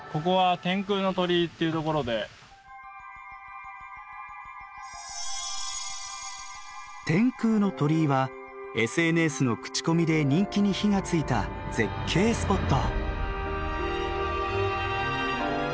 ここは「天空の鳥居」はＳＮＳの口コミで人気に火がついた絶景スポット。